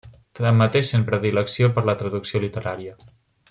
Tanmateix sent predilecció per la traducció literària.